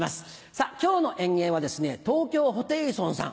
さぁ今日の演芸はですね東京ホテイソンさん。